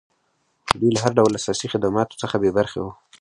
دوی له هر ډول اساسي خدماتو څخه بې برخې وو.